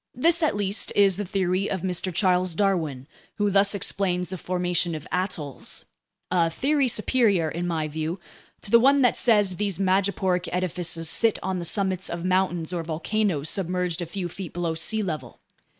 This, at least, is the theory of Mr. Charles Darwin, who thus explains the formation of atolls—a theory superior, in my view, to the one that says these madreporic edifices sit on the summits of mountains or volcanoes submerged a few feet below sea level.